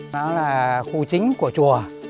nó là khu chính của chùa